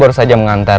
ingat jangan marah